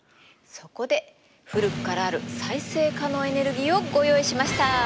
そこで古くからある再生可能エネルギーをご用意しました。